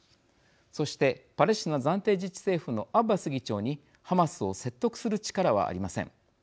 そしてパレスチナ暫定自治政府のアッバス議長にハマスを説得する力はありません。